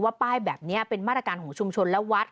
ป้ายแบบนี้เป็นมาตรการของชุมชนและวัด